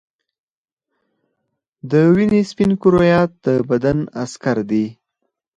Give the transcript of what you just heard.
د وینې سپین کرویات د بدن عسکر دي